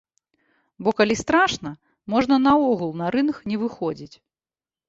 Бо калі страшна, можна наогул на рынг не выходзіць.